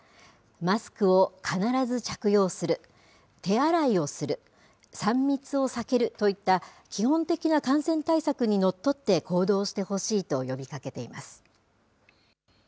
マスクを必ず着用する、手洗いをする、３密を避けるといった、基本的な感染対策にのっとって行動してほしいと呼びかけています。